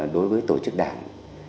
đối với tổ chức đảng